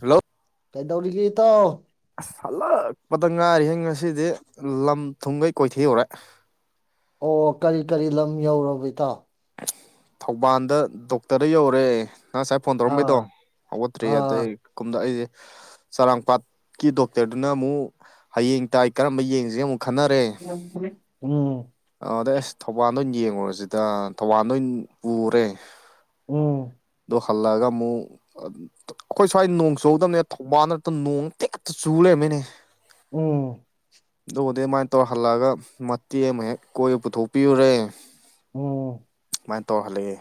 Hello ꯀꯩꯗꯧꯔꯤꯒꯦ ꯏꯇꯥꯎ ꯑ ꯍꯜꯂꯛꯄꯗ ꯉꯥꯏꯔꯤꯍꯦ ꯉꯁꯤꯗꯤ ꯂꯝ ꯊꯨꯝꯈꯩ ꯀꯣꯏꯊꯦꯛ ꯎꯔꯦ ꯑꯣ ꯀꯔꯤ ꯀꯔꯤ ꯂꯝ ꯌꯧꯔꯨꯔꯕ ꯏꯇꯥꯎ ꯊꯧꯕꯥꯟꯗ ꯗꯣꯛꯇꯔꯗ ꯌꯧꯔ‌ꯦ ꯅꯪ ꯉꯁꯥꯏ ꯐꯣꯟ ꯇꯧꯔꯝꯕꯩꯗꯣ ꯑꯥ ꯍꯧꯒꯠꯇ꯭ꯔꯤꯌ‌ꯦ ꯑꯗꯩ ꯑꯥ ꯀꯨꯝꯗ ꯑꯩꯁꯦ ꯆꯔꯥꯡꯄꯥꯠꯀꯤ ꯗꯣꯛꯇꯔꯗꯨꯅ ꯑꯃꯨꯛ ꯍꯌꯦꯡ ꯇꯥꯏ ꯀꯔꯝꯕ ꯌꯦꯡꯁꯤꯒ‌ꯦ ꯑꯃꯨꯛ ꯈꯟꯅꯔꯦ [unintelligible] ꯎꯝ ꯑ ꯑꯗꯩ ꯑꯁ ꯊꯧꯕꯥꯟꯗ ꯑꯣꯏꯅ ꯌꯦꯡꯉꯨꯔꯁꯤꯗ ꯊꯧꯕꯥꯟꯗ ꯑꯣꯏꯅ ꯄꯨꯔꯦ ꯎꯝ ꯑꯗ‌ꯣ ꯍꯜꯂꯒ ꯃꯨ ꯑꯩꯈꯣꯏ ꯁ꯭ꯋꯥꯏ ꯅꯣꯡ ꯆꯨꯍꯧꯗꯕꯅꯦ ꯊꯧꯕꯥꯜꯗ ꯍ‌ꯦꯠꯇ ꯅꯣꯡ ꯇꯤꯈꯛꯇꯅ ꯆꯨ ꯂꯩꯔꯝꯃ‌ꯦꯅꯦ ꯎꯝ ꯑꯗꯨꯕꯨꯗꯤ ꯑꯗꯨꯃꯥꯏꯅ ꯇꯧꯔ ꯍꯜꯂꯛꯑꯒ ꯃꯇꯦꯛ ꯑꯃ ꯍꯦꯛ ꯀꯣꯏꯕ ꯄꯨꯊꯣꯛꯄꯤꯔꯨꯔꯦ ꯑꯣ ꯁꯨꯃꯥꯏꯅ ꯇꯧꯔ ꯍꯜꯂꯛꯑꯦ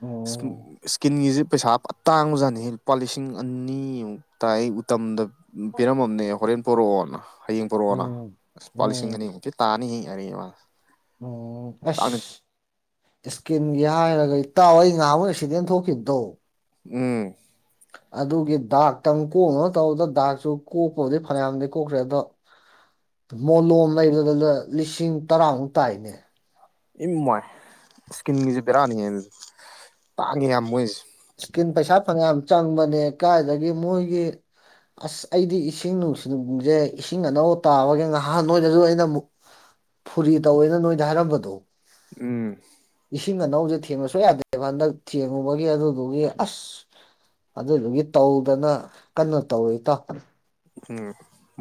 ꯎꯝ ꯏꯁ꯭ꯀꯤꯟꯒꯤꯁꯦ ꯄꯩꯁꯥ ꯇꯥꯡꯕꯖꯥꯠꯅꯤ ꯂꯨꯄꯥ ꯂꯤꯁꯤꯡ ꯑꯅꯤꯃꯨꯛꯇꯥꯏ ꯑꯩ ꯎꯇꯝꯗ ꯄꯤꯔꯝꯃꯝꯅꯦ ꯍꯣꯔꯦꯟ ꯄꯣꯔꯛꯑꯣꯅ ꯍꯌꯦꯡ ꯄꯣꯔꯛꯑꯣꯅ ꯎꯝ ꯑ ꯂꯨꯄꯥ ꯂꯤꯁꯤꯡ ꯎꯝ ꯑꯅꯤꯃꯨꯛꯇ ꯇꯥꯅꯤ ꯍꯤꯡꯉꯔꯤ ꯃꯥꯁꯦ ꯎꯝ ꯑꯁ ꯏꯁꯀꯤꯟꯒꯤ ꯍꯥꯏꯔꯒ ꯑꯩꯇꯥꯎ ꯑꯩ ꯉꯍ ꯑꯃꯨꯛ ꯑꯦꯛꯁꯤꯗꯦꯟ ꯊꯣꯛꯈꯤꯕꯗꯣ ꯎꯝ ꯑꯗꯨꯒꯤ ꯗꯥꯛꯇꯪ ꯀꯣꯛꯅ ꯇꯧꯕꯗ ꯗꯥꯛꯁꯨ ꯀꯣꯛꯄꯕꯨꯗꯤ ꯐꯅꯌꯥꯝꯗꯤ ꯀꯣꯛꯈ꯭ꯔꯦ ꯑꯗꯣ ꯃꯣꯂꯣꯝ ꯂꯩꯕꯗꯨꯗ ꯂꯤꯁꯤꯡ ꯇꯔꯥꯃꯨꯛ ꯇꯥꯏꯅꯦ ꯏꯝ ꯃꯣꯏ ꯏꯁꯀꯤꯟꯒꯤꯁꯦ ꯕꯦꯔꯥꯅꯤꯉ ꯑꯗꯨ ꯇꯥꯡꯉꯦ ꯌꯥꯝ ꯃꯣꯏꯁꯦ ꯏꯁꯀꯤꯟ ꯄꯩꯁꯥ ꯐꯪꯌꯥꯝ ꯌꯥꯝ ꯆꯪꯕꯅꯦ ꯀꯥꯏꯗꯒꯤ ꯃꯣꯏꯒꯤ ꯑꯁ ꯑꯩꯗꯤ ꯏꯁꯤꯡ ꯅꯨꯡꯁꯤ ꯅꯨꯡꯁꯦ ꯏꯁꯤꯡ ꯑꯅꯧꯕ ꯇꯥꯕꯒꯤ ꯉꯍꯥꯟ ꯅꯣꯏꯗꯁꯨ ꯑꯩꯅ ꯑꯃꯨꯛ ꯐꯨꯔꯤ ꯇꯧꯋꯦꯅ ꯅꯣꯏꯗ ꯍꯥꯏꯔꯝꯕꯗꯣ ꯎꯝ ꯏꯁꯤꯡ ꯑꯅꯧꯁꯦ ꯊꯦꯡꯕꯁꯨ ꯌꯥꯗꯦꯕ ꯍꯟꯗꯛ ꯊꯦꯡꯉꯨꯕꯒꯤ ꯑꯗꯨ ꯑꯗꯨꯒꯤ ꯑꯁ ꯑꯗꯨꯗꯨꯒꯤ ꯇꯧꯗꯅ ꯀꯟꯅ ꯇꯧꯔꯤ ꯏꯇꯥꯎ ꯎꯝ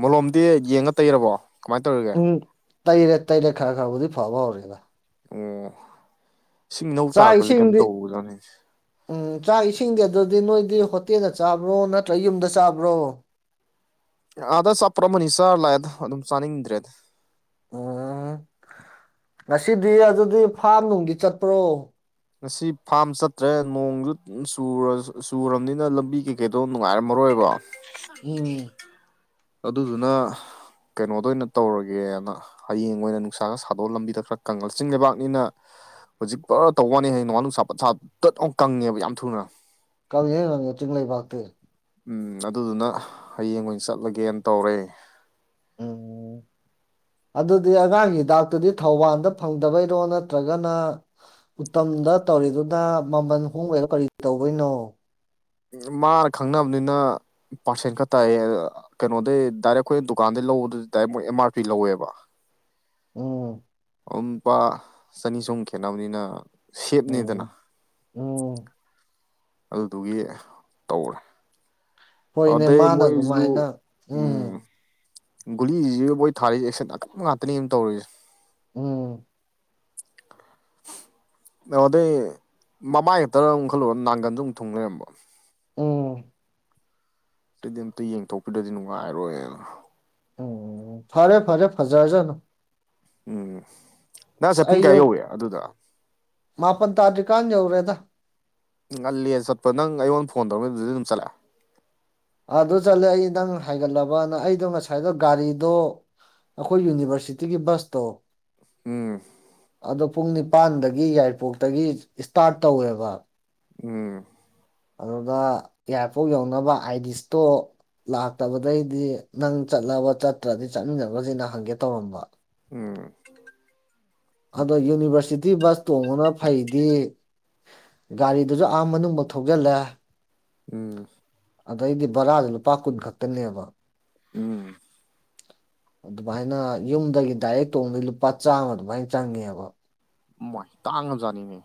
ꯃꯣꯂꯣꯝꯗꯤ ꯌꯦꯡꯉ ꯇꯩꯔꯕꯣ ꯀꯃꯥꯏꯅ ꯇꯧꯔꯤ ꯇꯩꯔ ꯇꯩꯔ ꯈꯔ ꯈꯔꯕꯨꯗꯤ ꯐꯕ ꯍꯧꯔꯦꯗ ꯑꯣ ꯏꯁꯤꯡ ꯏꯅꯧ ꯆꯥꯛ ꯇꯥꯔꯛꯄꯁꯦ ꯀꯩꯅꯣꯝ ꯏꯁꯤꯡꯗꯤ ꯇꯧꯕꯖꯥꯠꯅꯤ ꯎꯝ ꯆꯥꯛ ꯏꯁꯤꯡꯗꯤ ꯑꯗꯨꯗꯤ ꯅꯣꯏꯗꯤ ꯍꯣꯇꯦꯜꯗ ꯆꯥꯕ꯭ꯔꯣ ꯅꯠꯇ꯭ꯔ ꯌꯨꯝꯗ ꯆꯥꯕ꯭ꯔꯣ ꯑꯥꯗ ꯑꯆꯥꯄ‌ꯣꯠ ꯑꯃꯅꯤ ꯆꯥꯔ ꯂꯥꯛꯑꯦꯗ ꯑꯗꯨꯝ ꯆꯥꯅꯤꯡꯗ꯭ꯔꯦꯗ ꯎꯝ ꯉꯁꯤꯗꯤ ꯑꯗꯨꯗꯤ ꯐꯥꯝ ꯅꯨꯡꯗꯤ ꯆꯠꯄ꯭ꯔꯣ ꯉꯁꯤ ꯐꯥꯝ ꯆꯠꯇ꯭ꯔꯦ ꯅꯣꯡꯁꯨ ꯆꯨꯔꯕꯅꯤꯅ ꯂꯝꯕꯤ ꯀꯩꯀꯩꯗꯣ ꯅꯨꯡꯉꯥꯏꯔꯝꯃꯔꯣꯏꯕ ꯎꯝ ꯑꯗꯨꯗꯨꯅ ꯀꯩꯅꯣꯗ ꯑꯣꯏꯅ ꯇꯧꯔꯒꯦꯅ ꯍꯌꯦꯡ ꯑꯣꯏꯅ ꯅꯨꯡꯁꯥꯒ ꯁꯥꯗꯣꯛꯑ ꯂꯝꯕꯤꯗ ꯈꯔ ꯀꯪꯉ ꯆꯤꯡ ꯂꯩꯕꯥꯛꯅꯤꯅ ꯍꯧꯖꯤꯛ ꯄꯨꯔ ꯇꯧ ꯋꯥꯅꯤ ꯍꯌꯦꯡ ꯅꯣꯡꯋꯥꯥ ꯅꯨꯡꯁꯥ ꯄꯠꯁꯥꯞ ꯇꯠ ꯑꯃ ꯀꯪꯉꯦꯕ ꯌꯥꯝ ꯊꯨꯅ ꯀꯪꯉꯦ ꯀꯪꯉꯦ ꯆꯤꯡ ꯂꯩꯕꯥꯛꯇꯤ ꯎꯝ ꯑꯗꯨꯗꯨꯅ ꯍꯌꯦꯡ ꯑꯣꯏꯅ ꯆꯠꯂꯒꯦꯅ ꯇꯧꯔꯦ ꯎꯝ ꯑꯗꯨꯗꯤ ꯑꯉꯥꯡꯒꯤ ꯍꯤꯗꯥꯛꯇꯨꯗꯤ ꯊꯧꯕꯥꯜꯗ ꯐꯪꯗꯕꯩꯔꯣ ꯅꯠꯇ꯭ꯔꯒꯅ ꯎꯇꯝꯗ ꯇꯧꯔꯤꯗꯨꯅ ꯃꯃꯜ ꯍꯣꯡꯕꯩꯔ ꯀꯔꯤ ꯇꯧꯕꯩꯅꯣ ꯃꯥꯅ ꯈꯪꯅꯕꯅꯤꯅ ꯄꯥꯔꯁꯦꯟ ꯈ ꯇꯥꯏꯌꯦ ꯑ ꯀꯩꯅꯣꯗꯩ ꯗꯥꯏꯔꯦꯛ ꯑꯩꯈꯣꯏ ꯗꯨꯀꯥꯟꯗꯩ ꯂꯧꯕꯗꯨꯗꯤ ꯗꯥꯏꯔꯦꯛ ꯃꯣꯏ ꯑꯦꯝ ꯑꯥꯔ ꯄꯤ ꯂꯧꯋꯦꯕ ꯎꯝ ꯑꯃ ꯂꯨꯄꯥ ꯆꯅꯤ ꯆꯍꯨꯝ ꯈꯦꯠꯅꯕꯅꯤꯅ ꯁꯦꯞꯅꯤꯗꯅ ꯎꯝ ꯎꯝ ꯑꯗꯨꯗꯨꯒꯤ ꯇꯧꯔꯦ ꯍꯣꯏꯅꯦ ꯑꯗ ꯃꯥꯅ ꯃꯣꯏꯁꯨ ꯑꯗꯨꯃꯥꯏꯅ ꯎꯝ ꯒꯨꯂꯤꯁꯤꯖꯨ ꯃꯣꯏ ꯊꯥꯔꯤꯖꯦ ꯑꯦꯛꯁꯟ ꯑꯀꯟꯕ ꯉꯥꯛꯇꯅꯤ ꯑꯃꯝ ꯇꯧꯔꯤꯁꯦ ꯎꯝ ꯗꯥꯎꯗꯤ ꯃꯃꯥꯏ ꯈꯇꯔ ꯑꯃꯨꯛ ꯈꯜꯂꯨꯔ ꯅꯥꯡꯒꯟꯁꯨ ꯑꯃꯨꯛ ꯊꯨꯡ ꯂꯩꯔꯝꯕ ꯎꯝ ꯁꯤꯗꯤ ꯑꯝꯇ ꯌꯦꯡꯊꯣꯛꯄꯤꯗꯔꯗꯤ ꯅꯨꯡꯉꯥꯏꯑꯔꯣꯏꯅ ꯎꯝ ꯐꯔꯦ ꯐꯔꯦ ꯐꯖꯔꯖꯅꯣ ꯎꯝ ꯅꯪ ꯉꯁꯥꯏ ꯄꯨꯡ ꯀꯌꯥ ꯌꯧꯏ ꯑꯗꯨꯗ ꯃꯥꯄꯟ ꯇꯥꯔꯗ꯭ꯔꯤꯀꯥꯟ ꯌꯧꯔꯦꯗ ꯉꯜꯂꯤꯍ‌ꯦ ꯆꯠꯄ ꯅꯪ ꯑꯩꯉꯣꯟ ꯐꯣꯟ ꯇꯧꯔꯛꯏ ꯑꯗꯨꯗꯩ ꯑꯗꯨꯝ ꯆꯠꯂꯦ ꯑꯗꯨ ꯆꯠꯂꯦ ꯑꯩ ꯅꯪ ꯍꯥꯏꯒꯠꯂꯕꯅ ꯑꯩꯗꯣ ꯉꯁꯥꯏꯗꯣ ꯒꯥꯔꯤꯗꯣ ꯑꯈꯣꯏ ꯌꯨꯅꯤꯚꯔꯁꯤꯇꯤꯒꯤ ꯕꯁꯇꯣ ꯎꯝ ꯑꯗꯣ ꯄꯨꯡ ꯅꯤꯄꯥꯟꯗꯒꯤ ꯌꯥꯏꯔꯤꯄꯣꯛꯇꯒꯤ ꯏꯁ ꯏꯁꯇꯥꯔꯠ ꯇꯧꯋꯦꯕ ꯎꯝ ꯑꯗꯨꯗ ꯌꯥꯔꯄꯣꯛ ꯌꯧꯅꯕ ꯑꯥꯏꯗꯤ ꯁ꯭ꯇꯣꯛ ꯂꯥꯛꯇꯕꯗꯩꯗꯤ ꯅꯪ ꯆꯠꯂꯕ ꯆꯠꯇ꯭ꯔꯗꯤ ꯆꯠꯃꯤꯟꯅꯒ꯭ꯔꯁꯤꯅ ꯍꯪꯒꯦ ꯇꯧꯔꯝꯕ ꯎꯝ ꯑꯗꯣ ꯌꯨꯅꯤꯚꯔꯁꯤꯇꯤ ꯕꯁ ꯇꯣꯡꯕꯅ ꯐꯩꯗꯤ ꯒꯥꯔꯤꯗꯨꯁꯨ ꯑꯥ ꯃꯅꯨꯡꯐꯧ ꯊꯧꯖꯤꯜꯂꯦ ꯎꯝ ꯑꯗꯩꯗꯤ ꯕꯔꯥꯖꯨ ꯂꯨꯄꯥ ꯀꯨꯟ ꯈꯛꯇꯅꯦꯕ ꯎꯝ ꯑꯗꯨꯃꯥꯏꯅ ꯌꯨꯝꯗꯒꯤ ꯗꯥꯏꯔꯦꯛ ꯇꯣꯡꯕ ꯂꯨꯄꯥ ꯆꯥꯝꯃ ꯑꯗꯨꯃꯥꯏꯅ ꯆꯪꯉꯦꯕ ꯃꯥꯏ ꯇꯥꯡꯉꯖꯥꯠꯅꯤꯅ‌ꯦ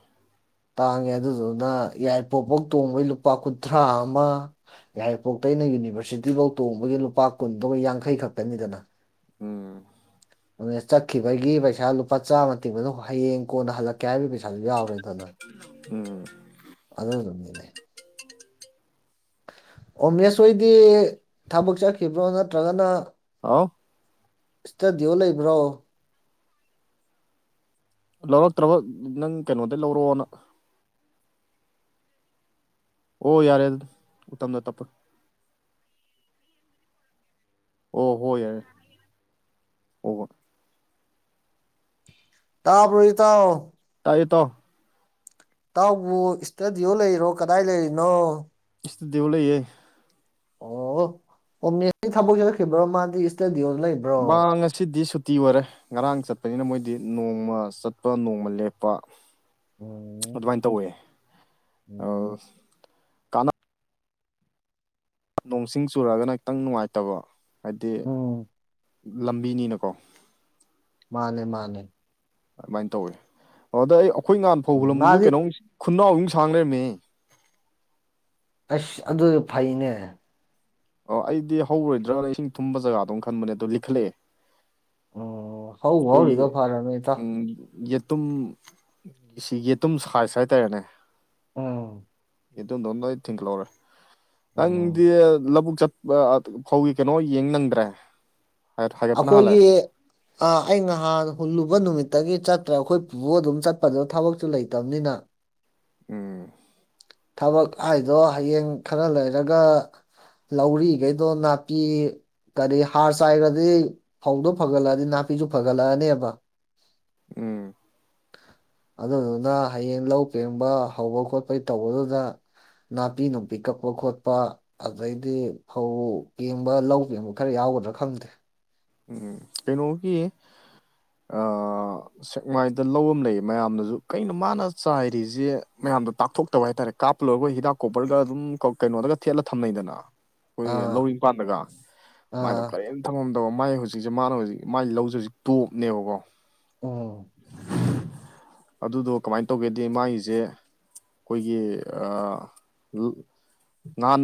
ꯇꯥꯡꯉꯦ ꯑꯗꯨꯗꯨꯅ ꯌꯥꯏꯔꯤꯄꯣꯛꯐꯧ ꯇꯣꯡꯕꯩ ꯂꯨꯄꯥ ꯀꯨꯟꯊ꯭ꯔꯥ ꯑꯃ ꯌꯥꯏꯔꯤꯄꯣꯛꯇꯩꯅ ꯌꯨꯅꯤꯚꯔꯁꯤꯇꯤꯐꯧ ꯇꯣꯡꯕꯒꯤ ꯂꯨꯄꯥ ꯀꯨꯟꯗꯣ ꯌꯥꯡꯈꯩ ꯈꯛꯇꯅꯤꯗꯅ ꯎꯝ ꯑꯗꯨꯅꯦ ꯆꯠꯈꯤꯕꯒꯤ ꯄꯩꯁꯥ ꯂꯨꯄꯥ ꯆꯥꯝꯃ ꯇꯤꯡꯕꯗꯣ ꯍꯌꯦꯡ ꯀꯣꯟꯅ ꯍꯜꯂꯛꯀꯦ ꯍꯥꯏꯕꯒꯤ ꯄꯩꯁꯥꯁꯨ ꯌꯥꯎꯔꯦꯗꯅ ꯎꯝ ꯑꯗꯨꯗꯨꯒꯤꯅꯦ ꯑꯣꯝꯅꯦꯁ ꯍꯣꯏꯗꯤ ꯊꯕꯛ ꯆꯠꯈꯤꯕ꯭ꯔꯣ ꯅꯠꯇ꯭ꯔꯒꯅ ꯑꯥꯎ ꯏꯁꯇꯗꯤꯑꯣ ꯂꯩꯕ꯭ꯔꯣ ꯂꯧꯔꯛꯇ꯭ꯔꯕ ꯅꯪ ꯀꯩꯅꯣꯗꯩ ꯂꯧꯔ‌ꯣꯅ ꯑꯣ ꯌꯥꯔꯦ ꯑꯗꯨꯗꯤ ꯎꯇꯝꯗ ꯇꯞꯄ ꯑꯣ ꯍꯣꯏ ꯌꯥꯔꯦ ꯍꯣꯏ ꯍꯣꯏ ꯇꯥꯕꯔꯣ ꯏꯇꯥꯎ ꯇꯥꯏꯌꯦ ꯏꯇꯥꯎ ꯏꯇꯥꯎꯕꯨ ꯏꯁꯇꯗꯤꯑꯣ ꯂꯩꯔꯣ ꯀꯗꯥꯏ ꯂꯩꯔꯤꯅꯣ ꯏꯁꯇꯗꯤꯑꯣ ꯂꯩꯌꯦ ꯑꯣ ꯑꯣꯝꯅꯦ ꯊꯕꯛ ꯆꯠꯈꯤꯕ꯭ꯔꯣ ꯃꯥꯗꯤ ꯏꯁꯇꯗꯤꯑꯣ ꯂꯩ ꯃꯥ ꯉꯁꯤꯗꯤ ꯁꯨꯠ ꯇꯤ ꯑꯣꯏꯔꯦ ꯉꯔꯥꯡ ꯆꯠꯄꯅꯤꯅ ꯃꯣꯏꯗꯤ ꯅꯣꯡꯃ ꯆꯠꯄ ꯅꯣꯡꯃ ꯂꯦꯞꯄ ꯎꯝ ꯑꯗꯨꯃꯥꯏ ꯇꯧꯋꯦ ꯎꯝ ꯑꯁ ꯅꯣꯡꯁꯤꯡ ꯆꯨꯔꯛꯑꯒꯅ ꯈꯤꯇꯪ ꯅꯨꯡꯉꯥꯏꯇꯕ ꯍꯥꯏꯗꯤ ꯎꯝ ꯂꯝꯕꯤꯅꯤꯅꯀꯣ ꯃꯥꯅꯦ ꯃꯥꯅꯦ ꯑꯗꯨꯃꯥꯏꯅ ꯇꯧꯋꯤ ꯑ ꯑꯗ‌ꯣ ꯑꯩꯈꯣꯏ ꯉꯥꯟ ꯐꯧ ꯎꯝ ꯍꯨꯜꯂꯝꯕꯗꯨꯖꯨ ꯃꯥꯗꯤ ꯀꯩꯅꯣꯝ ꯈꯨꯅꯥꯎꯕꯤꯃꯨꯛ ꯁꯥꯡ ꯂꯩꯔꯝꯃꯦꯍ‌ꯦ ꯑꯁ ꯑꯗꯨꯖꯨ ꯐꯩꯅꯦ ꯑꯣ ꯑꯩꯗꯤ ꯍꯧꯔꯣꯏꯗ꯭ꯔꯥꯅ ꯏꯁꯤꯡ ꯊꯨꯝꯕ ꯖꯒꯥꯗꯣꯝ ꯈꯟꯕꯅꯦ ꯑꯗꯣ ꯂꯤꯈꯠꯂꯛꯑꯦ ꯎꯝ ꯍꯧꯕꯨ ꯀꯨꯏ ꯍꯧꯔꯤꯗꯣ ꯐꯔꯕꯅꯤ ꯏꯇꯥꯎ ꯎꯝ ꯌꯦꯇꯨꯝ ꯁꯤ ꯌꯦꯇꯨꯝ ꯁꯥꯏꯁ ꯍꯥꯏꯇꯥꯔꯦꯅꯦ ꯑꯝ ꯌ‌ꯦꯇꯨꯝꯗ‌ꯣ ꯂꯣꯏ ꯊꯤꯡꯀꯍꯧꯔꯦ ꯎꯝ ꯅꯪꯗꯤ ꯂꯧꯕꯨꯛ ꯆꯠ [unintelligible] ꯐꯧꯒꯤ ꯀꯩꯅꯣ ꯌꯦꯡ ꯅꯪꯗ꯭ꯔꯦ ꯍꯥꯏꯒꯠꯄꯅ ꯍꯥꯜꯂꯦ ꯑꯩꯈꯣꯏꯒꯤ ꯑꯥ ꯑꯩ ꯅꯍꯥꯟ ꯍꯨꯜꯂꯨꯕ ꯅꯨꯃꯤꯠꯇꯒꯤ ꯆꯠꯇ꯭ꯔꯦ ꯑꯩꯈꯣꯏ ꯄꯨ ꯑꯗꯨꯝ ꯆꯠꯄꯗ ꯊꯕꯛꯁꯨ ꯂꯩꯇꯕꯅꯤꯅ [inaudible] ꯎꯝ ꯊꯕꯛ ꯍꯥꯏꯗꯣ ꯍꯌꯦꯡ ꯈꯔ ꯂꯩꯔꯒ ꯂꯧꯔꯤꯈꯩꯗꯣ ꯅꯥꯄꯤ ꯀꯔꯤ ꯍꯥꯔ ꯆꯥꯏꯒ꯭ꯔ ꯑꯗꯩ ꯐꯧꯗꯣ ꯐꯒꯠꯂꯛꯑꯗꯤ ꯅꯥꯄꯤꯁꯨ ꯐꯒꯠꯂꯛꯑꯅꯦꯕ ꯎꯝ ꯑꯗꯨꯗꯨꯅ ꯍꯌꯦꯡ ꯂꯧ ꯄꯦꯡꯕ ꯍꯧꯕ ꯈꯣꯠꯄꯩ ꯇꯧꯕꯗꯨꯗ ꯅꯥꯄꯤ ꯅꯨꯡꯄꯤ ꯀꯛꯄ ꯈꯣꯠꯄ ꯑꯗꯩꯗꯤ ꯐꯧ ꯄꯦꯡꯕ ꯂꯧ ꯄꯦꯡꯕ ꯈꯔ ꯌꯥꯎꯒꯗ꯭ꯔꯥ ꯈꯪꯗꯦ ꯎꯝ ꯀꯩꯅꯣꯒꯤ ꯑꯥ ꯁꯦꯛꯃꯥꯏꯗ ꯂꯧ ꯑꯝ ꯂꯩꯌꯦ ꯃꯌꯥꯝꯅꯖꯨ ꯀꯩꯅꯣ ꯃꯥꯅ ꯆꯥꯏꯔꯤꯖꯦ ꯃꯌꯥꯝꯗ ꯇꯥꯛꯊꯣꯛꯇꯕ ꯍꯥꯏꯇꯥꯔꯦ ꯀꯥꯞꯄꯂꯣꯏꯔꯕꯣꯏ ꯍꯤꯗꯥꯛ ꯀꯣꯄꯔꯒ ꯑꯗꯨꯝ ꯀꯧ ꯀꯩꯅꯣꯗꯒ ꯊꯦꯠꯂ ꯊꯝꯅꯩꯗꯅ ꯫ [unintelligible] ꯈꯣꯏꯒꯤ ꯂꯧꯔꯤ ꯃꯄꯥꯠꯗꯒ ꯃꯥꯏꯗꯣ ꯑꯥ ꯀꯔꯤꯝ ꯊꯝꯃꯝꯗꯕ ꯃꯥꯏ ꯍꯧꯖꯤꯛꯁꯦ ꯃꯥꯅ ꯍꯧꯖꯤꯛ ꯃꯥꯏ ꯂꯧꯖꯦ ꯍꯧꯖꯤꯛ ꯇꯣꯞꯅꯦꯕꯀꯣ ꯑꯝ [unintelligible] ꯑꯗꯨꯗꯣ ꯀꯃꯥꯏꯅ ꯇꯧꯒꯦꯗꯤ ꯃꯥꯒꯤꯁꯦ ꯑꯩꯈꯣꯏꯒꯤ ꯑ ꯉꯍꯥꯟ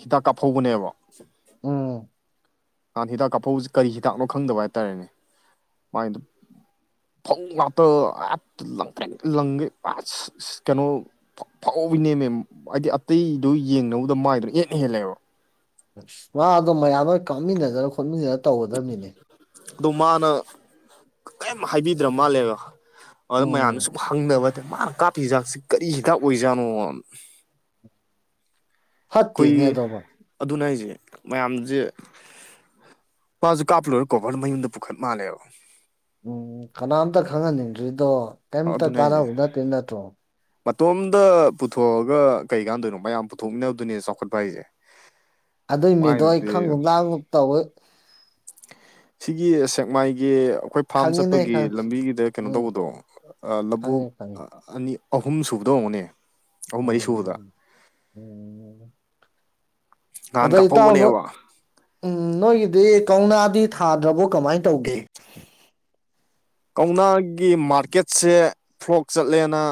ꯍꯤꯗꯥꯛ ꯀꯥꯞꯍꯧꯕꯅꯦꯕ ꯎꯝ ꯅꯍꯥꯟ ꯍꯤꯗꯥꯛ ꯀꯥꯞꯐꯧꯕꯁꯤ ꯀꯔꯤ ꯍꯤꯗꯥꯛꯅꯣ ꯈꯪꯗꯕ ꯍꯥꯏꯇꯥꯔꯦꯅꯦ ꯃꯥꯥꯏꯗꯣ ꯐꯧ ꯉꯥꯛꯇ ꯍꯦꯛꯇ ꯂꯪꯇ꯭ꯔꯤꯛ ꯂꯩꯒꯩ [unintelligible] ꯀꯩꯅꯣ ꯐꯥꯎꯚꯤꯅꯦꯃꯦ ꯍꯥꯏꯗꯤ ꯑꯇꯩꯗꯨ ꯌꯦꯡꯅꯕꯗ ꯃꯥꯏꯗꯨꯅ ꯏꯍꯦꯟꯅ ꯍꯦꯜꯂꯦꯕ ꯑꯁ ꯃꯥꯗꯣ ꯃꯌꯥꯝ ꯗꯨꯒ ꯀꯥꯞꯃꯤꯟꯅꯗꯅ ꯈꯣꯠꯃꯤꯟꯅꯔ ꯇꯧꯒꯗꯕꯃꯤꯅꯦ ꯑꯗꯣ ꯃꯥꯅ ꯀꯔꯤꯝ ꯍꯥꯏꯕꯤꯗ꯭ꯔ ꯃꯥꯜꯂꯦꯕ ꯑꯗꯨꯗ ꯃꯌꯥꯝꯅ ꯎꯝ ꯁꯨꯝ ꯍꯪꯅꯕ ꯇꯥꯔꯦ ꯃꯥꯅ ꯀꯥꯞꯄꯤ ꯍꯤꯗꯥꯛꯁꯤ ꯀꯔꯤ ꯍꯤꯗꯥꯛ ꯑꯣꯏꯖꯥꯠꯅꯣ ꯐꯠꯇꯦꯅꯦ ꯑꯩꯈꯣꯏ ꯑꯗꯨꯃ ꯑꯗꯨꯅꯦ ꯍꯥꯏꯁꯦ ꯃꯌꯥꯝꯁꯦ ꯃꯥꯁꯦ ꯀꯥꯞꯄꯥ ꯂꯣꯏꯔ ꯀꯣꯚꯔꯗꯨ ꯃꯌꯨꯝꯗ ꯄꯨꯈꯠ ꯃꯥꯜꯂꯦꯕ ꯎꯝ ꯀꯅꯥꯝꯇ ꯈꯪꯍꯟꯅꯤꯡꯗ꯭ꯔꯤꯗꯣ ꯑ ꯀꯩꯝꯇ ꯑꯗꯨꯅꯦ ꯀꯥꯟꯅꯕ ꯍꯥꯏꯁꯦ ꯅꯠꯇꯦ ꯅꯠꯇ꯭ꯔꯣ ꯃꯇꯣꯝꯗ ꯄꯨꯊꯣꯛꯑꯒ ꯀꯩꯀꯥꯟꯅꯗꯣꯏꯅꯣ ꯃꯌꯥꯝ ꯄꯨꯊꯣꯛꯃꯤꯟꯅꯕꯗꯨꯅꯦ ꯆꯥꯎꯈꯠꯄ ꯍꯥꯏꯁꯦ ꯑꯗꯨꯒꯤ ꯃꯤꯗꯣ ꯑꯩ ꯃꯥꯏꯗꯨꯗꯤ ꯈꯪꯉꯨꯞ ꯂꯥꯛꯀꯨꯝ ꯇꯧꯋꯦ ꯁꯤꯒꯤ ꯁꯦꯛꯃꯥꯏꯒꯤ ꯑꯩꯈꯣꯏ ꯐꯥꯔꯝ ꯈꯪꯉꯤꯅꯦ ꯆꯠꯄꯒꯤ ꯈꯪꯉꯤ ꯂꯝꯕꯤꯒꯤꯗ ꯀꯩꯅꯣ ꯎꯝ ꯇꯧꯕꯗꯣ ꯑ ꯂꯧꯕꯨꯛ ꯈꯪꯉꯦ ꯈꯪꯉꯤ ꯑꯅꯤ ꯑꯍꯨꯝ ꯁꯨꯕꯗꯣ ꯑꯣꯏꯔꯝꯒꯅꯤ ꯑꯍꯨꯝ ꯃꯔꯤ ꯁꯨꯕꯗ ꯎꯝ ꯎꯝ ꯅꯍꯥꯟ ꯑꯗꯣ ꯏꯇꯥꯎꯗꯣ ꯀꯥꯞꯐꯧꯕꯅꯦꯕ ꯎꯝ ꯅꯣꯏꯒꯤꯗꯤ ꯀꯧꯅꯥꯗꯤ ꯊꯥꯗ꯭ꯔꯕꯣ ꯀꯃꯥꯏꯅ ꯇꯧꯒꯦ ꯀꯧꯅꯥꯒꯤ ꯃꯥꯔꯀꯦꯠꯁꯦ ꯐ꯭ꯂꯣꯛ ꯆꯠꯂꯦꯅ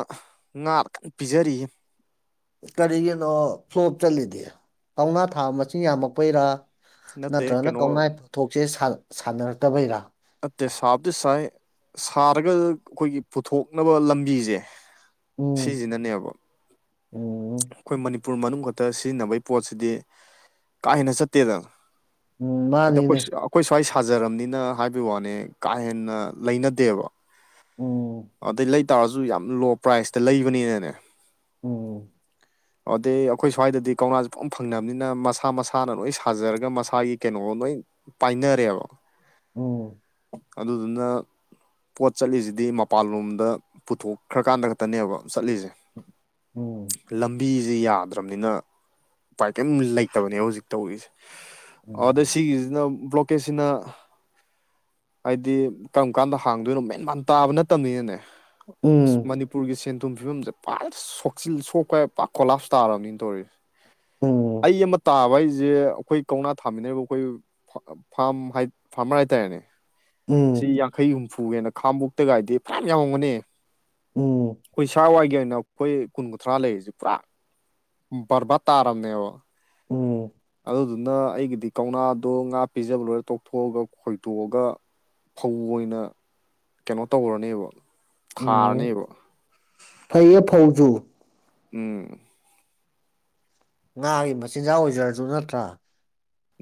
ꯉꯥꯗ ꯀꯟ ꯄꯤꯖꯔꯤꯌꯦ ꯀꯔꯤꯒꯤꯅꯣ ꯐ꯭ꯂꯣꯞ ꯆꯠꯂꯤꯗꯤ ꯀꯧꯅꯥ ꯊꯥꯕ ꯃꯁꯤꯡ ꯌꯥꯝꯃꯛꯄꯩꯔꯥ ꯅꯠꯇꯦ ꯅꯠꯇ꯭ꯔꯒꯅ ꯀꯩꯅꯣ ꯀꯧꯅꯥꯒꯤ ꯄꯣꯊꯣꯛꯁꯦ ꯁꯥꯟꯅꯔꯛꯇꯕꯩꯔꯥ ꯅꯠꯇꯦ ꯁꯥꯕꯗꯤ ꯁꯥꯏ ꯁꯥꯔꯒ ꯑꯩꯈꯣꯏꯒꯤ ꯄꯨꯊꯣꯛꯅꯕ ꯂꯝꯕꯤꯁꯦ ꯎꯝ ꯁꯤꯖꯤꯅꯅꯦꯕ ꯎꯝ ꯑꯩꯈꯣꯏ ꯃꯅꯤꯄꯨꯔ ꯃꯅꯨꯡ ꯈꯛꯇ ꯁꯤꯖꯤꯟꯅꯕꯩ ꯄꯣꯠꯁꯤꯗꯤ ꯀꯥ ꯍꯦꯟꯅ ꯆꯠꯇꯦꯗꯅ ꯎꯝ ꯍꯥꯏꯗꯤ ꯃꯥꯅꯤꯅꯦ ꯑꯩꯈꯣꯏ ꯁ꯭ꯋꯥꯏ ꯁꯥꯖꯔꯕꯅꯤꯅ ꯍꯥꯏꯕꯩ ꯋꯥꯅꯦ ꯀꯥ ꯍꯦꯟꯅ ꯂꯩꯅꯗꯦꯕ ꯎꯝ ꯑꯗꯨꯗꯩ ꯂꯩ ꯇꯥꯔꯁꯨ ꯌꯥꯝ ꯂꯣ ꯄ꯭ꯔꯥꯏꯖꯇ ꯂꯩꯕꯅꯤꯅꯅꯦ ꯎꯝ ꯑꯗꯩ ꯑꯩꯈꯣꯏ ꯁ꯭ꯋꯥꯏꯗꯗꯤ ꯀꯧꯅꯥꯁꯦ ꯄꯨꯡ ꯐꯪꯅꯕꯅꯤꯅ ꯃꯁꯥ ꯃꯁꯥꯅ ꯂꯣꯏ ꯁꯥꯖꯔꯒ ꯃꯁꯥꯒꯤ ꯀꯩꯅꯣ ꯂꯣꯏ ꯄꯥꯏꯅꯔꯤꯕ ꯎꯝ ꯑꯗꯨꯗꯨꯅ ꯄꯣꯠ ꯆꯠꯂꯤꯁꯤꯗꯤ ꯃꯄꯥꯟꯂꯣꯝꯗ ꯄꯨꯊꯣꯛꯈ꯭ꯔꯀꯥꯟꯗ ꯈꯛꯇꯅꯦꯕ ꯆꯠꯂꯤꯁꯦ ꯎꯝ ꯂꯝꯕꯤꯁꯦ ꯌꯥꯗ꯭ꯔꯕꯅꯤꯅ ꯎꯄꯥꯏ ꯀꯔꯤꯝ ꯂꯩꯇꯕꯅꯦ ꯍꯧꯖꯤꯛ ꯇꯧꯔꯤꯁꯦ ꯎꯝ ꯑꯗ ꯎꯝ ꯁꯤꯒꯤꯁꯤꯅ ꯕ꯭ꯂꯣꯀꯦꯠꯁꯤꯅ ꯍꯥꯏꯗꯤ ꯀꯔꯝ ꯀꯥꯟꯗ ꯍꯥꯡꯗꯣꯏꯅꯣ ꯃꯦꯟ ꯃꯥꯟ ꯇꯥꯕ ꯅꯠꯇꯕꯅꯤꯅꯅꯦ ꯑ ꯎꯝ ꯃꯅꯤꯄꯨꯔꯒꯤ ꯁꯦꯟꯊꯨꯝ ꯐꯤꯕꯝꯁꯦ ꯄꯥꯥ ꯁꯣꯛ [unintelligible] ꯁꯣꯛꯄ ꯄꯥꯛꯈꯣꯂꯥꯞ ꯇꯥꯔꯕꯅꯤꯅ ꯇꯧꯔꯤꯁꯦ ꯑꯩ ꯑꯃ ꯇꯥꯕ ꯍꯥꯏꯁꯦ ꯑꯩꯈꯣꯏ ꯀꯧꯅꯥ ꯊꯥꯃꯤꯟꯅꯔꯤꯕ ꯑꯩꯈꯣꯏ ꯐꯥꯝ ꯐꯥꯔꯃꯔ ꯍꯥꯏꯇꯥꯔꯦꯅꯦ ꯁꯤ ꯎꯝ ꯌꯥꯡꯈꯩ ꯍꯨꯝꯐꯨꯒꯦꯅ ꯈꯥꯉꯕꯣꯛꯇ ꯒꯥꯗꯤ ꯐꯖꯅ ꯌꯥꯝꯎꯔꯝꯒꯅꯦ ꯎꯝ ꯑꯩꯈꯣꯏ ꯁ꯭ꯋꯥꯏꯒꯤ ꯑꯣꯏꯅ ꯑꯩꯈꯣꯏ ꯀꯨꯟ ꯀꯨꯟꯊ꯭ꯔꯥ ꯂꯩꯔꯤꯁꯦ ꯄꯨꯔꯥ ꯕꯔꯕꯥꯠ ꯇꯥꯔꯝꯅꯦꯕ ꯎꯝ ꯑꯗꯨꯗꯨꯅ ꯑꯩꯒꯤꯗꯤ ꯀꯧꯅꯥꯗꯣ ꯉꯥ ꯄꯤꯖꯕ ꯂꯣꯏꯔ ꯇꯣꯛꯊꯣꯛꯑꯒ ꯈꯣꯏꯗꯣꯛꯑꯒ ꯐꯧ ꯑꯣꯏꯅ ꯀꯩꯅꯣ ꯇꯧꯔꯅꯦꯕ ꯎꯝ ꯊꯥꯔꯅꯦꯕ ꯐꯩꯌꯦ ꯐꯧꯖꯨ ꯎꯝ ꯉꯥꯒꯤ ꯃꯆꯤꯟꯖꯥꯛ ꯑꯣꯏꯖꯔꯁꯨ ꯅꯠꯇ꯭ꯔꯥ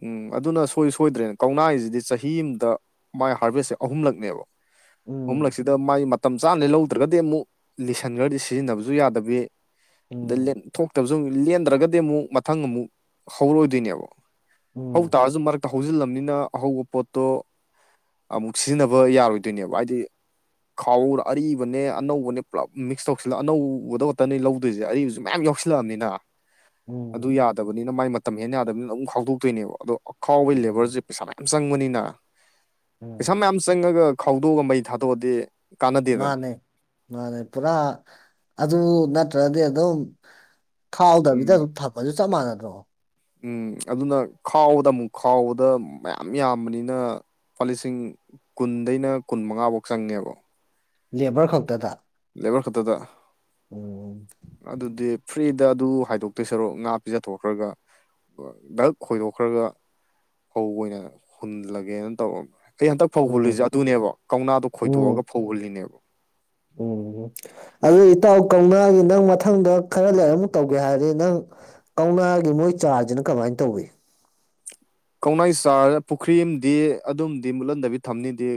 ꯎꯝ ꯑꯗꯨꯅ ꯁꯣꯏ ꯁꯣꯏꯗ꯭ꯔꯦꯅꯦ ꯀꯧꯅꯥꯁꯤꯗꯤ ꯆꯍꯤ ꯑꯃꯗ ꯃꯥꯥꯏ ꯍꯥꯔꯚꯦꯁꯁꯦ ꯑꯍꯨꯝꯂꯛꯅꯦꯕ ꯎꯝ ꯑꯍꯨꯝꯂꯛꯁꯤꯗ ꯃꯥꯏ ꯃꯇꯝ ꯆꯥꯅ ꯂꯧꯗ꯭ꯔꯒꯗꯤ ꯑꯃꯨꯛ ꯂꯤꯁꯟꯈ꯭ꯔꯗꯤ ꯁꯤꯖꯤꯟꯅꯕꯁꯨ ꯌꯥꯗꯕꯤ ꯑ ꯎꯝ ꯂꯦꯟꯊꯣꯛꯇꯕꯁꯨ ꯂꯦꯟꯗ꯭ꯔꯒꯗꯤ ꯑꯃꯨꯛ ꯃꯊꯪ ꯑꯃꯨꯛ ꯍꯧꯔꯣꯏꯏꯗꯣꯏꯅꯦꯕ ꯎꯝ ꯍꯧꯇꯥꯥꯔꯁꯨ ꯃꯔꯛꯇ ꯍꯧꯖꯤꯜꯂꯕꯅꯤꯅ ꯑꯍꯧꯕ ꯄꯣꯠꯇꯣ ꯑꯃꯨꯛ ꯁꯤꯖꯤꯟꯅꯕ ꯌꯥꯔꯣꯏꯗꯣꯏꯅꯦꯕ ꯍꯥꯏꯗꯤ ꯈꯥꯎꯔ ꯑꯔꯤꯕꯅꯦ ꯑꯅꯧꯕꯅꯦ ꯄꯨꯂꯞ ꯃꯤꯛꯁ ꯇꯧꯁꯤꯜꯂ ꯑꯅꯧꯕꯗ ꯈꯛꯇꯅꯤ ꯂꯧꯗꯣꯏꯁꯦ ꯑꯔꯤꯕꯁꯨ ꯃꯌꯥꯝ ꯌꯥꯎꯁꯤꯜꯂꯦ ꯁꯤꯜꯂꯛꯑꯕꯅꯤꯅ ꯑꯗꯨ ꯎꯝ ꯌꯥꯗꯕꯅꯤꯅ ꯃꯥꯏ ꯃꯇꯝ ꯍꯦꯟꯅ ꯌꯥꯗꯕꯅꯤꯅ ꯑꯗꯨꯝ ꯈꯥꯎꯗꯣꯛꯇꯣꯏꯅꯦꯕ ꯑꯗꯣ ꯈꯥꯎꯕꯒꯤ ꯂꯦꯕꯔꯁꯦ ꯎꯝ ꯄꯩꯁꯥ ꯃꯌꯥꯝ ꯆꯪꯕꯅꯤꯅ ꯄꯩꯁꯥ ꯎꯝ ꯃꯌꯥꯝ ꯆꯪꯉꯒ ꯈꯥꯎꯗꯣꯛꯑꯒ ꯃꯩ ꯊꯥꯗꯣꯛꯑꯗꯤ ꯀꯥꯟꯅꯗꯦꯗꯅ ꯃꯥꯅꯦ ꯃꯥꯅꯦ ꯄꯨꯔꯥ ꯑꯗꯨ ꯅꯠꯇ꯭ꯔꯗꯤ ꯑꯗꯨꯝ ꯈꯥꯎꯗꯕꯤꯗ ꯎꯝ ꯑꯗꯨꯝ ꯊꯝꯃꯥꯁꯨ ꯆꯞ ꯃꯥꯟꯅꯗ꯭ꯔꯣ ꯎꯝ ꯑꯗꯨꯅ ꯈꯥꯎꯕꯗ ꯑꯃꯨꯛ ꯈꯥꯎꯕꯗ ꯃꯌꯥꯝ ꯌꯥꯝꯕꯅꯤꯅ ꯂꯨꯄꯥ ꯂꯤꯁꯤꯡ ꯀꯨꯟꯗꯩꯅ ꯀꯨꯟ ꯃꯉꯥꯐꯧ ꯆꯪꯉꯦꯕ ꯂꯦꯕꯔ ꯈꯛꯇꯗ ꯂꯦꯕꯔ ꯈꯛꯇꯗ ꯑꯣꯝ ꯑꯗꯨꯗꯤ ꯐ꯭ꯔꯤꯗ ꯑꯗꯨ ꯍꯥꯏꯗꯣꯛꯇꯣꯏ ꯁꯔꯣꯛ ꯉꯥ ꯄꯤꯖꯊꯣꯛꯈ꯭ꯔꯒ ꯗꯛ ꯈꯣꯏꯗꯣꯛꯈ꯭ꯔꯒ ꯐꯧ ꯑꯣꯏꯅ ꯍꯨꯜꯂꯒꯦꯅ ꯇꯧꯔꯃꯦ ꯑꯩ ꯍꯟꯗꯛ ꯐꯧ ꯍꯨꯜꯂꯤꯁꯦ ꯎꯝ ꯑꯗꯨꯅꯦꯕ ꯀꯧꯅꯥꯗꯣ ꯎꯝ ꯈꯣꯏꯗꯣꯛꯑꯒ ꯐꯧ ꯍꯨꯜꯂꯤꯅꯦꯕ ꯎꯝ ꯑꯗꯨ ꯏꯇꯥꯎ ꯀꯧꯅꯥꯒꯤ ꯅꯪ ꯃꯊꯪꯗ ꯈꯔ ꯂꯩꯔ ꯑꯃꯨ ꯇꯧꯒꯦ ꯍꯥꯏꯔꯗꯤ ꯅꯪ ꯀꯧꯅꯥꯒꯤ ꯃꯣꯏ ꯆꯥꯔꯁꯤꯅ ꯀꯃꯥꯏꯅ ꯇꯧꯏ ꯀꯧꯅꯥꯏ ꯆꯥꯔ ꯄꯨꯈ꯭ꯔꯤꯝꯗꯤ ꯑꯗꯨꯝꯗꯤ ꯃꯨꯠꯍꯟꯗꯕꯤ ꯊꯝꯅꯤꯗꯤ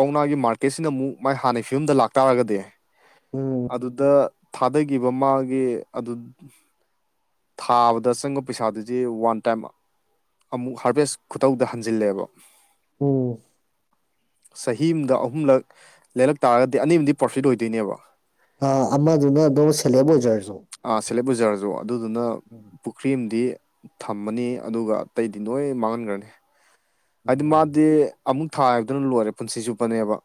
ꯀꯧꯅꯥꯒꯤ ꯃꯥꯔꯀꯦꯠꯁꯤꯅ ꯑꯃꯨꯛ ꯃꯥꯏ ꯍꯥꯟꯅ ꯐꯤꯕꯝꯗ ꯂꯥꯛꯇꯥꯥꯔꯒꯗꯤ ꯎꯝ ꯑꯗꯨꯗ ꯊꯥꯗꯈꯤꯕ ꯃꯥꯒꯤ ꯑꯗꯨ ꯊꯥꯕꯗ ꯆꯪꯕ ꯄꯩꯁꯥꯗꯨꯗꯤ ꯋꯥꯟ ꯇꯥꯏꯝ ꯑꯃꯨꯛ ꯍꯥꯚꯦꯁ ꯈꯨꯇꯧꯗ ꯍꯟꯖꯤꯜꯂꯦꯕ ꯎꯝ ꯆꯍꯤ ꯑꯃꯗ ꯑꯍꯨꯝꯂꯛ ꯂꯩꯔꯛ ꯇꯥꯔꯒꯗꯤ ꯑꯅꯤꯃꯗꯤ ꯄ꯭ꯔꯣꯐꯤꯠ ꯑꯣꯏꯗꯣꯏꯅꯦꯕ ꯑ ꯑꯃꯗꯨꯅ ꯑꯗꯨꯝ ꯁꯦꯂꯦꯞ ꯑꯣꯏꯖꯔꯁꯨ ꯥ ꯁꯦꯂꯦꯞ ꯕꯖꯥꯔꯁꯨ ꯑꯗꯨꯗꯨꯅ ꯎꯝ ꯄꯨꯈ꯭ꯔꯤ ꯑꯃꯗꯤ ꯊꯝꯃꯅꯤ ꯑꯗꯨꯒ ꯑꯇꯩꯗꯤ ꯂꯣꯏ ꯃꯥꯡꯍꯟꯈ꯭ꯔꯅꯤ ꯍꯥꯏꯗꯤ ꯃꯥꯗꯤ ꯑꯃꯨꯛ ꯊꯥ ꯍꯥꯏꯕꯗꯨꯅ ꯂꯣꯏꯔꯦ ꯄꯨꯟꯁꯤ ꯆꯨꯞꯄꯅꯦꯕ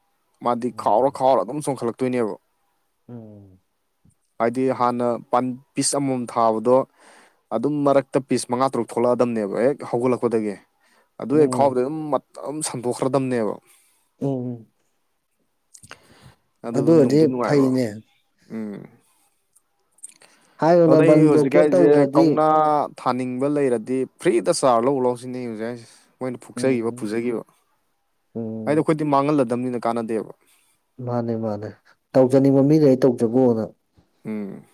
ꯃꯥꯗꯤ ꯈꯥꯎꯔ ꯎꯝ ꯈꯥꯎꯔ ꯑꯗꯨꯝ ꯆꯣꯡꯈꯠꯂꯛꯇꯣꯏꯅꯦꯕ ꯎꯝ ꯍꯥꯏꯗꯤ ꯍꯥꯟꯅ ꯄ ꯄꯤꯁ ꯑꯃꯃꯝ ꯊꯥꯕꯗꯣ ꯑꯗꯨꯝ ꯃꯔꯛꯇ ꯄꯤꯁ ꯃꯉꯥ ꯇꯔꯨꯛ ꯊꯣꯛꯂꯛꯑꯗꯕꯅꯦꯕ ꯍꯦꯛ ꯍꯧꯒꯠꯂꯛꯄꯗꯒꯤ ꯑꯗꯨ ꯍꯦꯛ ꯎꯝ ꯈꯥꯎꯕꯗ ꯑꯗꯨꯝ ꯃꯇꯝ ꯁꯟꯗꯣꯛꯈ꯭ꯔꯗꯝꯅꯦꯕ ꯎꯝ ꯑꯗꯨ ꯑꯗꯨꯗꯨ ꯑꯣꯏꯔꯗꯤ ꯅꯨꯡꯗꯤ ꯅꯨꯡꯉꯥꯏꯕꯔꯣ ꯐꯩꯅꯦ ꯎꯝ ꯍꯥꯏꯔꯤꯕ ꯑꯗꯩ ꯕꯟ ꯍꯧꯖꯤꯛ ꯕ꯭ꯂꯣꯀꯦꯠ ꯍꯥꯏꯁꯦ ꯇꯧꯗ꯭ꯔꯗꯤ ꯀꯧꯅꯥ ꯊꯥꯅꯤꯡꯕ ꯂꯩꯔꯗꯤ ꯐ꯭ꯔꯤꯗ ꯆꯥꯔꯖ ꯂꯧ ꯂꯧꯁꯤꯅꯦ ꯍꯧꯖꯤꯛ ꯍꯥꯏꯁꯦ ꯃꯣꯏꯅ ꯐꯨꯛꯆꯈꯤꯕ ꯎꯝ ꯄꯨꯖꯈꯤꯕ ꯍꯥꯏꯗꯤ ꯎꯝ ꯑꯩꯈꯣꯏꯗꯤ ꯃꯥꯡꯍꯜꯂꯗꯕꯅꯤꯅ ꯀꯥꯟꯅꯗꯦꯕ ꯃꯥꯅꯦ ꯃꯥꯅꯦ ꯇꯧꯖꯅꯤꯡꯕ ꯃꯤꯅ ꯑꯩ ꯇꯧꯖꯈꯣꯅ ꯎꯝ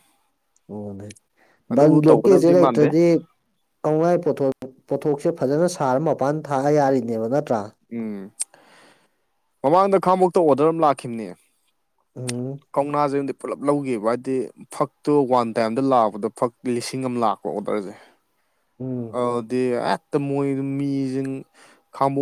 ꯕꯥꯟ ꯑꯗꯨꯕꯨ ꯕꯂꯣꯀꯦꯠꯁꯦ ꯇꯧꯒꯗꯕꯗꯤ ꯃꯥꯟꯗꯦ ꯂꯩꯇꯔꯗꯤ ꯑꯉꯥꯏ ꯄꯣꯊꯣꯛ ꯄꯣꯠꯊꯣꯛꯁꯦ ꯐꯖꯅ ꯁꯥꯔ ꯃꯄꯥꯟ ꯊꯥ ꯌꯥꯔꯤꯅꯦꯕ ꯅꯠꯇ꯭ꯔꯥ ꯎꯝ ꯃꯃꯥꯡꯗ ꯈꯥꯡꯑꯕꫭꯛꯇ ꯑꯣꯗꯔ ꯑꯃ ꯂꯥꯛꯈꯤꯕꯅꯦ ꯎꯝ ꯀꯧꯅꯥꯁꯤ ꯄꯨꯂꯞ ꯂꯧꯒꯕ ꯍꯥꯏꯗꯤ ꯐꯛꯇꯣ ꯋꯥꯟ ꯇꯥꯏꯝꯗ ꯂꯥꯛꯕꯗꯣ ꯐꯛ ꯂꯤꯁꯤꯡ ꯑꯃ ꯂꯥꯛꯄ ꯑꯣꯗꯔꯁꯦ ꯎꯝ ꯑꯗ ꯑꯦꯠꯇ ꯃꯣꯏ ꯃꯤꯖ ꯈꯕ